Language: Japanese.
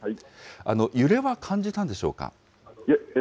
揺れは感じたんでしょうか。